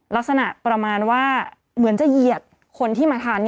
ลักษณะประมาณว่าเหมือนจะเหยียดคนที่มาทาน